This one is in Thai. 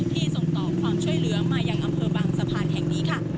ส่งต่อความช่วยเหลือมายังอำเภอบางสะพานแห่งนี้ค่ะ